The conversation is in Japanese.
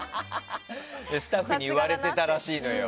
スタッフに言われてたらしいのよ。